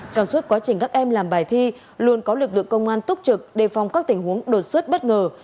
trong suốt quá trình các em làm bài thi luôn có lực lượng công an túc trực đề phòng các tình huống đột xuất bất ngờ